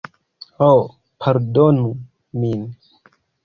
Ho, pardonu min.